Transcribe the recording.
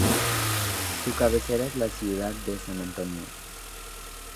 Su cabecera es la ciudad de San Antonio.